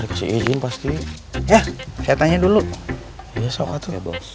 pasti ya saya tanya dulu